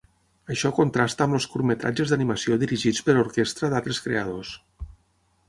Això contrasta amb els curtmetratges d'animació dirigits per orquestra d'altres creadors.